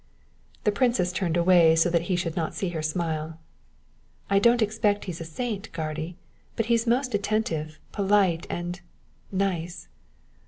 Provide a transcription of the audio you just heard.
The princess turned away so that he should not see her smile. "I don't expect he's a saint, guardy, but he's most attentive, polite and nice."